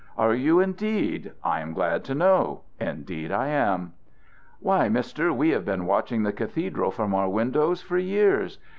"Are you, indeed? I am glad to know. Indeed, I am!" "Why, Mister, we have been watching the cathedral from our windows for years.